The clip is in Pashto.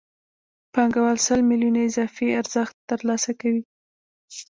پانګوال سل میلیونه اضافي ارزښت ترلاسه کوي